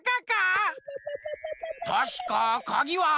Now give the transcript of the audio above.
たしかかぎは。